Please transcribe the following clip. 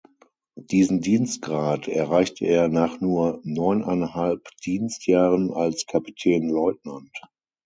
Diesen Dienstgrad erreichte er nach nur neuneinhalb Dienstjahren als Kapitänleutnant.